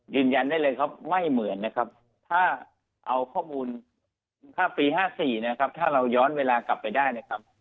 ยืนยันได้เลยครับไม่เหมือนนะครับถ้าเอาข้อมูลถ้าปี๕๔นะครับถ้าเราย้อนเวลากลับไปได้นะครับ